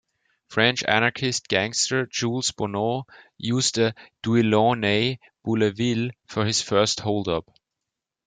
French anarchist gangster Jules Bonnot used a Delaunay-Belleville for his first hold-up.